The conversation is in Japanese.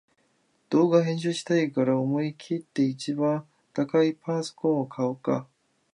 動画編集したいから思いきって一番高いパソコン買おうか